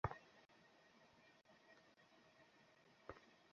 তাঁর অভিযোগ, চিকিৎসকেরা তাঁকে ঠিকমতো দেখতেও আসেন না, খোঁজখবর নেন না।